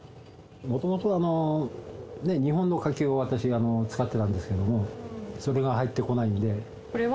もともと日本のカキを私が使ってたんですけれども、それが入ってこないので。